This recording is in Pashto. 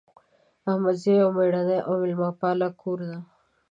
احمدزی یو میړنۍ او میلمه پاله کور ده